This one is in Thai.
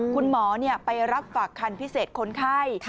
คุณหมอไปรับฝากคันพิเศษคนไข้